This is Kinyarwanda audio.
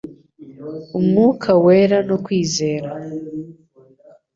umwuka wera no kwizera